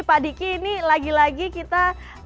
pak diki ini lagi lagi kita